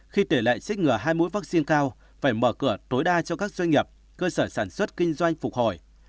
khi tỷ lệ sách ngừa hai mũi vaccine cao phải mở cửa tối đa cho các doanh nghiệp cơ sở sản xuất kinh doanh phục hồi